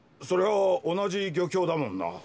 そりゃ同じ漁協だもんな。